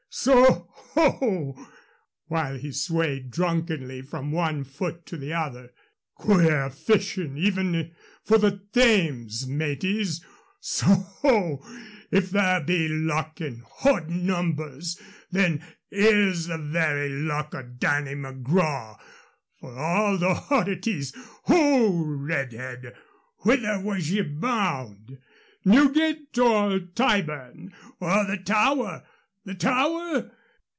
soho!" while he swayed drunkenly from one foot to the other. "Queer fishin' even for the Thames, mateys. Soho! If there be luck in hodd numbers, then 'ere's the very luck o' Danny McGraw, for of all the hoddities Ho, Redhead, whither was ye bound? Newgate or Tyburn or the Tower? The Tower?